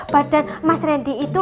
badan mas randy itu